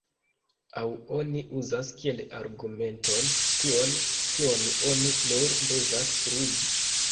Aŭ oni uzas kiel argumenton tion, kion oni nur devas pruvi.